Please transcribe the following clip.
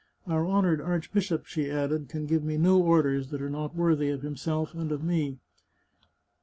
" Our honoured archbishop," she added, " can give me no orders that are not worthy of himself and of me."